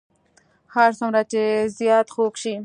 هر څومره چې زیات خوږ شي.